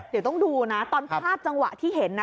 เดี๋ยวต้องดูนะตอนภาพจังหวะที่เห็นนะ